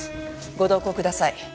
ご同行ください。